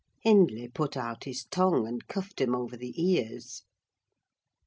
Hindley put out his tongue, and cuffed him over the ears.